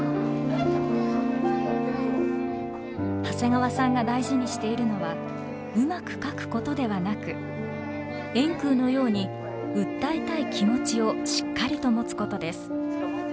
長谷川さんが大事にしているのはうまく描くことではなく円空のように訴えたい気持ちをしっかりと持つことです。